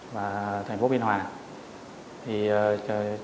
nhiều người cùng tìm kiếm lực lượng trinh sát